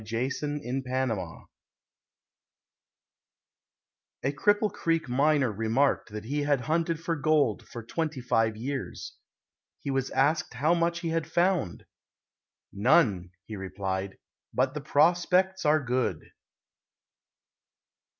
A HOPEFUL BROTHER A Cripple Creek miner remarked that he had hunted for gold for twenty five years. He was asked how much he had found. "None," he replied, "but the prospects are good."